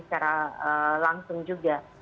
secara langsung juga